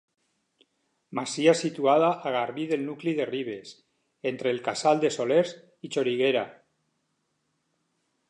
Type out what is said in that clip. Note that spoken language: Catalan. Masia situada a garbí del nucli de Ribes, entre el casal de Solers i Xoriguera.